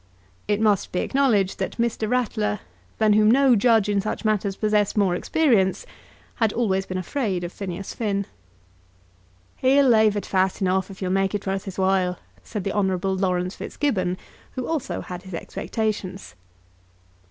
It must be acknowledged that Mr. Ratler, than whom no judge in such matters possessed more experience, had always been afraid of Phineas Finn. "He'll lave it fast enough, if you'll make it worth his while," said the Honourable Laurence Fitzgibbon, who also had his expectations.